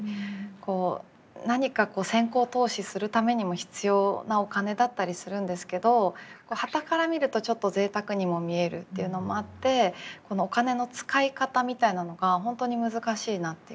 こう何か先行投資するためにも必要なお金だったりするんですけどはたから見るとちょっと贅沢にも見えるっていうのもあってこのお金の使い方みたいなのが本当に難しいなっていうか。